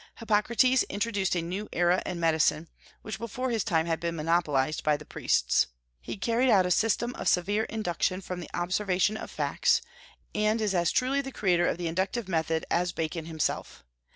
Hippocrates introduced a new era in medicine, which before his time had been monopolized by the priests. He carried out a system of severe induction from the observation of facts, and is as truly the creator of the inductive method as Bacon himself.